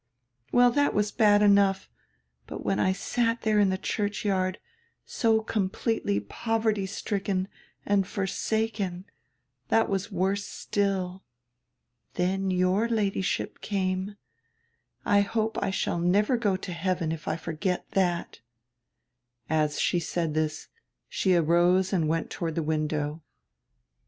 "Well, diat was bad enough. But when I sat diere in die churchyard, so completely poverty stricken and for saken, diat was worse still. Then your Ladyship came. I hope I shall never go to heaven if I forget diat" As she said this she arose and went toward die window.